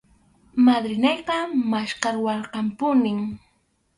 Madrinayqa maskhawarqanpunim.